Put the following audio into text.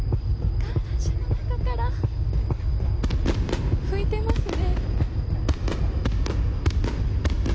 観覧車の中から、拭いてますね。